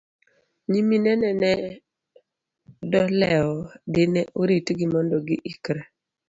nyiminene ne do lewo dine oritgi mondo gi ikre